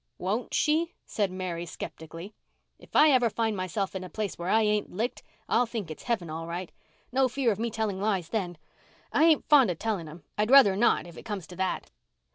"Won't she?" said Mary skeptically. "If I ever find myself in a place where I ain't licked I'll think it's heaven all right. No fear of me telling lies then. I ain't fond of telling 'em—I'd ruther not, if it comes to that."